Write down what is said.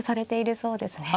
そうですね。